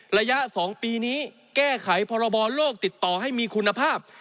ระยะ๒ปีนี้แก้ไขพรบโลกติดต่อให้มีคุณภาพ